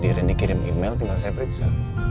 di rendy kirim email tinggal saya periksa